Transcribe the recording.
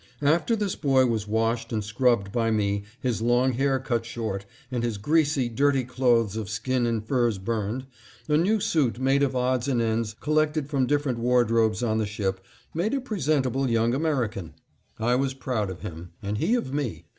After this boy was washed and scrubbed by me, his long hair cut short, and his greasy, dirty clothes of skins and furs burned, a new suit made of odds and ends collected from different wardrobes on the ship made him a presentable Young American. I was proud of him, and he of me.